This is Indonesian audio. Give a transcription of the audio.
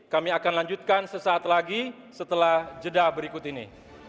kami akan lanjutkan sesaat lagi setelah jeda berikut ini